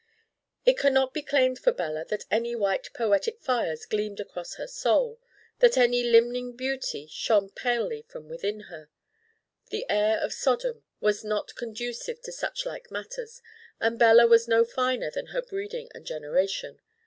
It can not be claimed for Bella that any white poetic fires gleamed across her soul, that any limning beauty shone palely from within her. The air of Sodom was not conducive to suchlike matters and Bella was no finer than her breeding and generation.